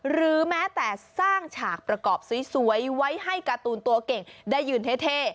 หรือแม้แต่สร้างฉากประกอบสวยไว้ให้การ์ตูนตัวเก่งได้ยืนเท่